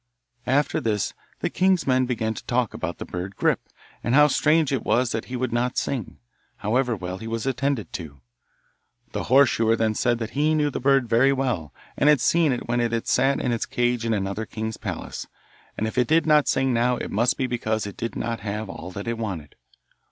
After this the king's men began to talk about the bird Grip, and how strange it was that he would not sing, however well he was attended to. The horse shoer then said that he knew the bird very well; he had seen it when it sat in its cage in another king's palace, and if it did not sing now it must be because it did not have all that it wanted.